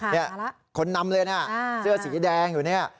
นี่คนนำเลยนะเสื้อสีแดงอยู่เนี่ย